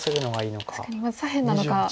確かに左辺なのか。